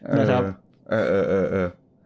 เออเออเออเออ